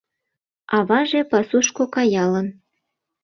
Аваже пасушко каялын